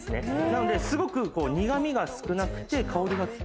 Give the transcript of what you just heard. なのですごく苦味が少なくて香りが高い。